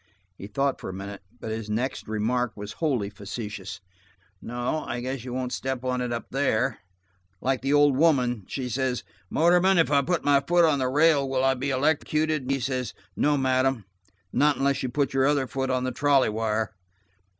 He thought for a minute, but his next remark was wholly facetious. "No. I guess you won't step on it up there. Like the old woman: she says, 'Motorman, if I put my foot on the rail will I be electrocuted?' And he says, 'No, madam, not unless you put your other foot on the trolley wire.'"